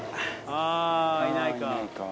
あいないか。